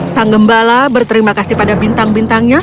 sang gembala berterima kasih pada bintang bintangnya